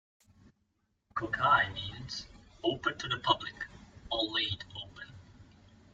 "Kokai" means "open to the public", or "laid-open".